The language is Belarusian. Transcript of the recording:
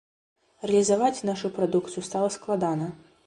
Рэалізаваць нашу прадукцыю стала складана.